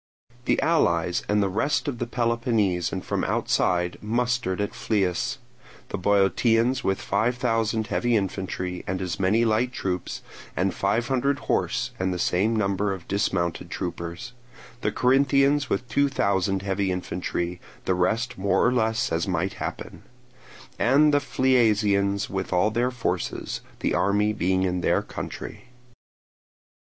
The allies from the rest of Peloponnese and from outside mustered at Phlius; the Boeotians with five thousand heavy infantry and as many light troops, and five hundred horse and the same number of dismounted troopers; the Corinthians with two thousand heavy infantry; the rest more or less as might happen; and the Phliasians with all their forces, the army being in their country.